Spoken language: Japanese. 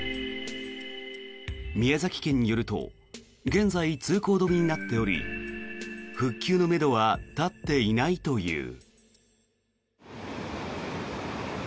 宮崎県によると現在、通行止めになっており復旧のめどは立っていないという。